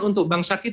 untuk bangsa kita